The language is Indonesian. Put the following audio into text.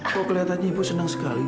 kok kelihatannya ibu senang sekali